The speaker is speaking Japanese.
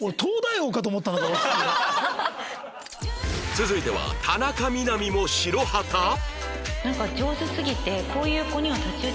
続いてはなんか上手すぎて。